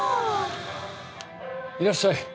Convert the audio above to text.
いらっしゃい。